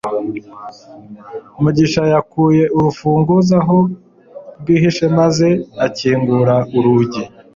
mugisha yakuye urufunguzo aho rwihishe maze akingura urugi